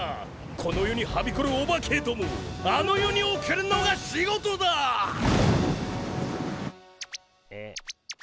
この世にはびこるオバケどもをあの世に送るのが仕事だ！え。